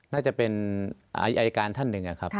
น่าจะเป็นอายการท่านหนึ่งนะครับ